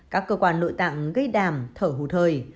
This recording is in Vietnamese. các cơ quan nội tạng gây đàm thở hù thời